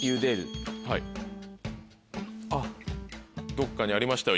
どっかにありましたよ